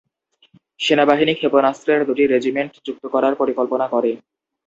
সেনাবাহিনী ক্ষেপণাস্ত্রের দুটি রেজিমেন্ট যুক্ত করার পরিকল্পনা করে।